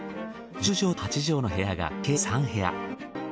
１０畳と８畳の部屋が計３部屋。